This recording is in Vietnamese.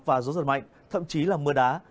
và gió giật mạnh thậm chí là mưa đá